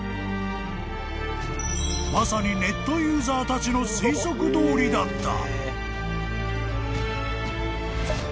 ［まさにネットユーザーたちの推測どおりだった］